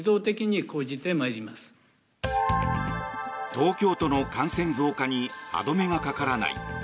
東京都の感染増加に歯止めがかからない。